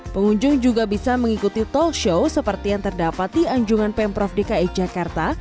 pengunjung juga bisa mengikuti talk show seperti yang terdapat di anjungan pemprov dki jakarta